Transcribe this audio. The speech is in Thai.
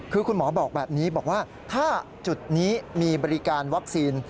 คือคุณหมอบอกแบบนี้บอกว่าถ้าจุดนี้มีบริการวัคซีน